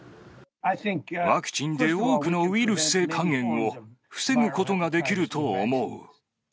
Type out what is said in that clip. ワクチンで多くのウイルス性肝炎を防ぐことができると思う。